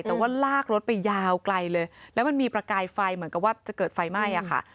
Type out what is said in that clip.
แต่ว่าลากรถไปยาวไกลเลยแล้วมันมีประกายไฟเหมือนกับว่าจะเกิดไฟไหม้อะค่ะ